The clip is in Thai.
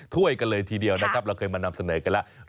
ถ้วยกันเลยทีเดียวนะครับเราเคยมานำเสนอกันแล้ว